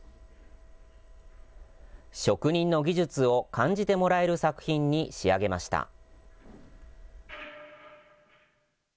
職人の技術を感じてもらえる作品に仕上げました。